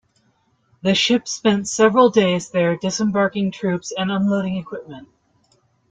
The ship spent several days there disembarking troops and unloading equipment.